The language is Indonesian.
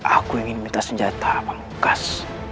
aku ingin minta senjata malukas